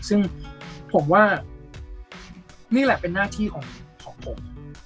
ซึ่งผมว่านี่แหละเป็นหน้าที่ของผม